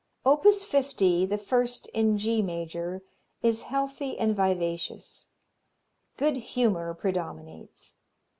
Opus 50, the first in G major, is healthy and vivacious. Good humor predominates.